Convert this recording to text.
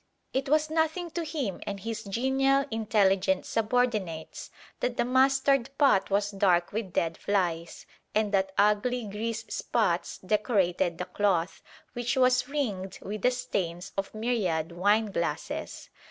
It was nothing to him and his genial, intelligent subordinates that the mustard pot was dark with dead flies, and that ugly grease spots decorated the cloth, which was ringed with the stains of myriad wineglasses.